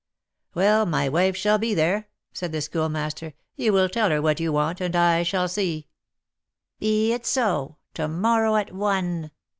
"Well, my wife shall be there," said the Schoolmaster; "you will tell her what you want, and I shall see " "Be it so; to morrow at one."